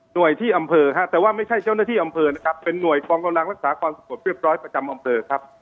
โดยที่อำเภอฮะแต่ว่าไม่ใช่เจ้าหน้าที่อำเภอนะครับเป็นห่วยกองกำลังรักษาความสงบเรียบร้อยประจำอำเภอครับ